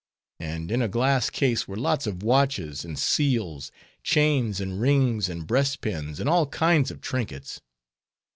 And in a glass case were lots of watches, and seals, chains, and rings, and breastpins, and all kinds of trinkets.